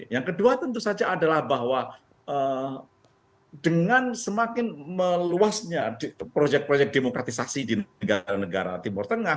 yang kedua tentu saja adalah bahwa dengan semakin meluasnya proyek proyek demokratisasi di negara negara timur tengah